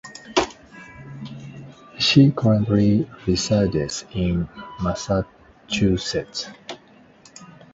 She currently resides in Massachusetts.